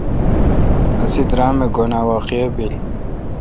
اسے°درامہ گھن اہ واقعہ بیل۔